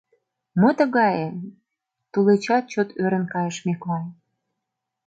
«Мо тыгае?» — тулечат чот ӧрын кайыш Миклай.